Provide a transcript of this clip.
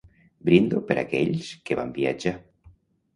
Brindo per aquells que van viatjar.